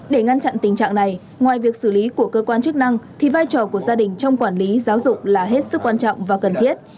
để ngăn chặn tình trạng này ngoài việc xử lý của cơ quan chức năng thì vai trò của gia đình trong quản lý giáo dục là hết sức quan trọng và cần thiết